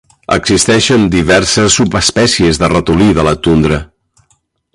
Existeixen diverses subespècies de ratolí de la tundra.